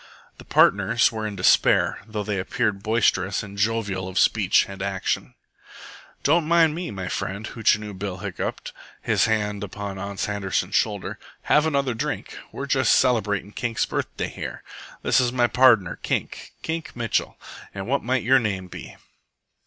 The partners were in despair, though they appeared boisterous and jovial of speech and action. "Don't mind me, my friend," Hootchinoo Bill hiccoughed, his hand upon Ans Handerson's shoulder. "Have another drink. We're just celebratin' Kink's birthday here. This is my pardner, Kink, Kink Mitchell. An' what might your name be?"